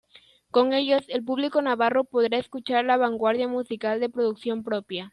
Con ellos, el público navarro podrá escuchar la vanguardia musical de producción propia.